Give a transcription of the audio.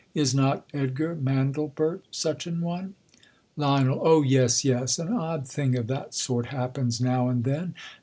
Is not Ed gar Mandlefeert such an one ? Lion, O yes, yes ; an odd thing of that sort happens now and then.